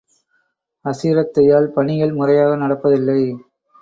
அசிரத்தையால் பணிகள் முறையாக நடப்பதில்லை.